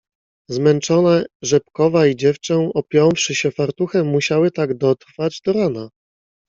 "Zmęczone Rzepkowa i dziewczę, opiąwszy się fartuchem, musiały tak dotrwać do rana."